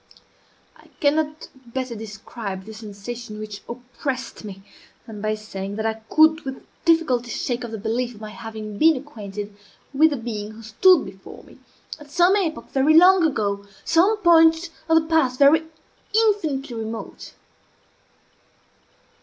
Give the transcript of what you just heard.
I cannot better describe the sensation which oppressed me than by saying that I could with difficulty shake off the belief of my having been acquainted with the being who stood before me, at some epoch very long ago some point of the past even infinitely remote.